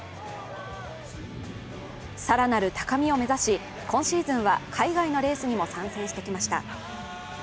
更なる高みを目指し、今シーズンは海外のレースにも参戦してきました。